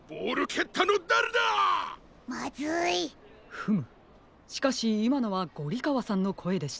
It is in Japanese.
フムしかしいまのはゴリかわさんのこえでしたね。